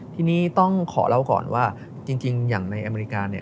ทีนี้ต้องขอเล่าก่อนว่าจริงอย่างในอเมริกาเนี่ย